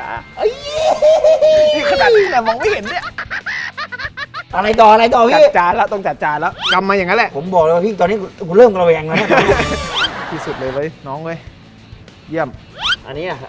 อ่าอันนี้น่ะอ้าพอช้อนเดียวพอคนเลยทีนี้คนเห้อน้ำต้องจิ๊บ